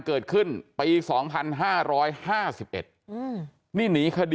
กลับไปลองกลับ